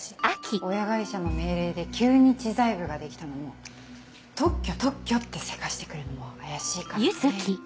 親会社の命令で急に知財部ができたのも「特許特許」ってせかしてくるのも怪しいからね。